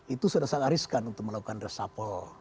itu sudah sangat riskan untuk melakukan reshuffle